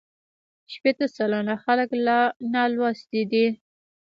شپېته سلنه خلک لا نالوستي دي.